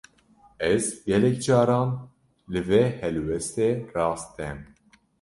Ez, gelek caran li vê helwestê rast têm